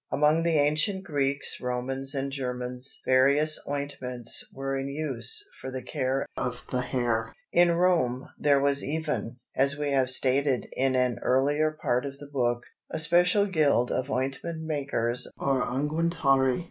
Among the ancient Greeks, Romans, and Germans various ointments were in use for the care of the hair. In Rome there was even, as we have stated in an earlier part of the book, a special guild of ointment makers or unguentarii.